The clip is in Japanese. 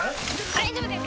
大丈夫です